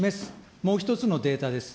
もう一つのデータです。